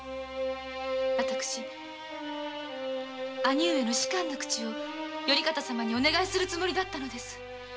兄上の仕官の口を頼方様にお願いするつもりだったのです。